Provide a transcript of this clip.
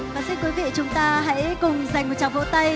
và xin quý vị chúng ta hãy cùng dành một trọng vỗ tay